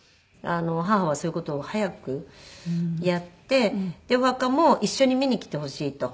母はそういう事を早くやってでお墓も一緒に見に来てほしいと。